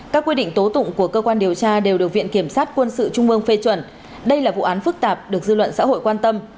các quy định tố tụng của cơ quan điều tra đều được viện kiểm sát quân sự trung mương phê chuẩn đây là vụ án phức tạp được dư luận xã hội quan tâm